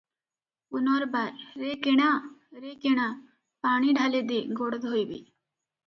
ପୁନର୍ବାର - "ରେ କିଣା, ରେ କିଣା! ପାଣି ଢାଳେ ଦେ" ଗୋଡ ଧୋଇବି ।